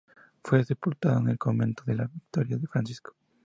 Fue sepultado en el Convento de la Victoria de Francisco.